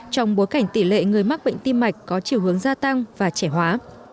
trong bối cảnh tỷ lệ người mắc bệnh tim mạch có chiều hướng gia tăng và trẻ hóa